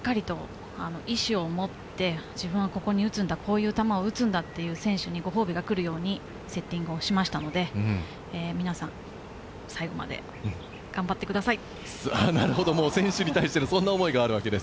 本当にしっかりと意思を持って自分はここに打つんだ、こういう球を打つんだという選手にご褒美が来るようにセッティングをしましたので、皆さん、最後まで頑張ってください。